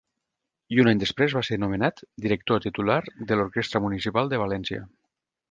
I un any després va ser nomenat Director Titular de l'Orquestra Municipal de València.